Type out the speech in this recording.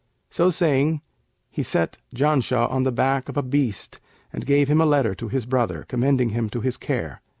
So saying he set Janshah on the back of a beast and gave him a letter to his brother, commending him to his care.